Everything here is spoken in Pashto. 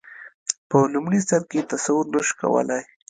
په لومړي سر کې تصور نه شو کولای.